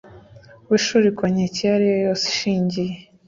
w ishuri ku nkeke iyo ari yo yose ishingiye